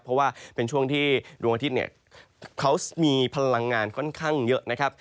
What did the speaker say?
เพราะว่าเป็นช่วงที่ดวงอาทิตย์เนี่ยเขามีพลังงานค่อนข้างเยอะนะครับ